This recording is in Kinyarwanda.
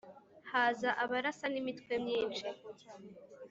haza abarasa n’imitwe myinshi